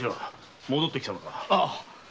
戻って来たのか。